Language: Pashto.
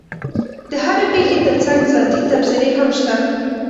د هرې پېښې ترڅنګ ذاتي تبصرې هم شته.